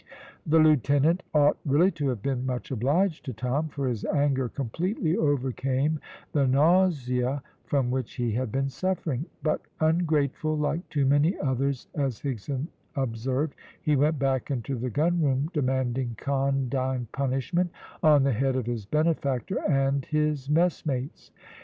The lieutenant ought really to have been much obliged to Tom, for his anger completely overcame the nausea from which he had been suffering; but ungrateful, like too many others, as Higson observed, he went back into the gunroom demanding condign punishment on the head of his benefactor and his messmates.